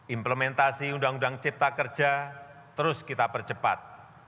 implementasi undang undang cipta kerja terus kita percepat